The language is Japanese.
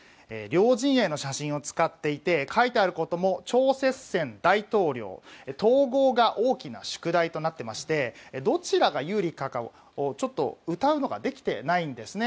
両陣営の写真を使っていて書いてあることも超接戦、大統領統合が大きな宿題となっていましてどちらが有利かをうたうことができていません。